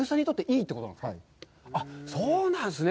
そうなんですね。